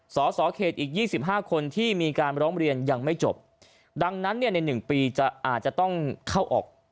สอสอเขตอีก๒๕คนที่มีการร้องเรียนยังไม่จบดังนั้นเนี่ยใน๑ปีจะอาจจะต้องเข้าออก